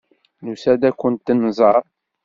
Nusa-d ad kent-nẓer.